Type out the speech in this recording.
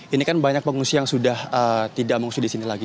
ini kan banyak pengungsi yang sudah tidak mengungsi di sini lagi